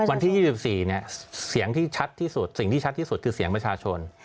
วันที่๒๔เนี่ยเสียงที่ชัดที่สุดสิ่งที่ชัดที่สุดคือเสียงประชาชน